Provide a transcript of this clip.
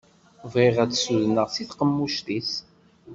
Bɣiɣ ad tt-sudneɣ di tqemmuct-is.